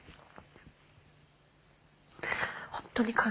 本当に。